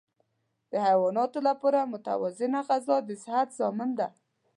د حیواناتو لپاره متوازنه غذا د صحت ضامن ده.